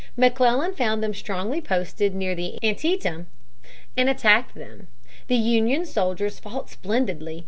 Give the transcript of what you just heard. McClellan found them strongly posted near the Antietam and attacked them. The Union soldiers fought splendidly.